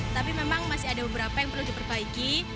tapi memang masih ada beberapa yang perlu diperbaiki